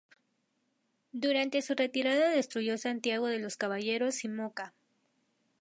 Durante su retirada destruyó Santiago de los Caballeros y Moca.